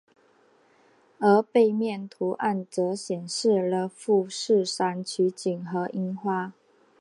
而背面图案则显示了富士山取景和樱花。